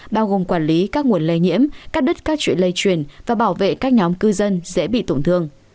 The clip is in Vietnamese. bao gồm quản lý các nguồn lây nhiễm cắt đứt các chuyện lây truyền và bảo vệ các nhóm cư dân dễ bị tổn thương